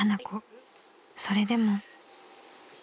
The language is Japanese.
［それでも］